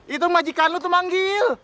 itu majikan lu itu manggil